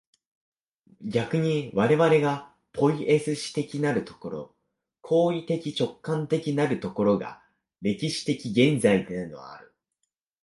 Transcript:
逆に我々がポイエシス的なる所、行為的直観的なる所が、歴史的現在であるのである。